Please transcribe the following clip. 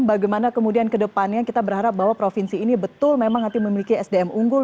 bagaimana kemudian kedepannya kita berharap bahwa provinsi ini betul memang nanti memiliki sdm unggul